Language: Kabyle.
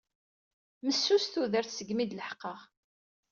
Messus tudert segmi d-leḥqeɣ.